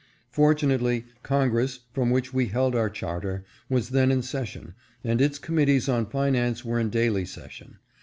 Fortunately, Congress, from which we held our charter, was then in session, and its committees on finance were in daily session.